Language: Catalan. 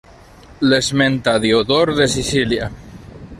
L'esmenta Diodor de Sicília.